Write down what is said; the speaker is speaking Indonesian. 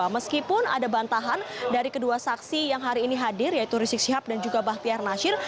meskipun ada bantahan dari kedua saksi yang hari ini hadir yaitu rizik sihab dan juga bahtiar nasir